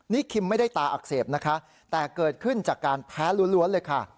นี่คิมไม่ได้ตาอักเสบนะคะแต่เกิดขึ้นจากการแพ้ล้วนเลยค่ะ